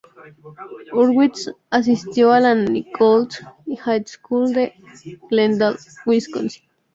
Hurwitz asistió a la Nicolet High School en Glendale, Wisconsin.